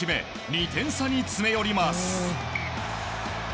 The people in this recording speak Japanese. ２点差に詰め寄ります。